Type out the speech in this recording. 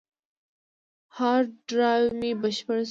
هارد ډرایو مې بشپړ شو.